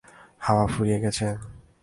হাওয়া ফুরিয়ে গেছে?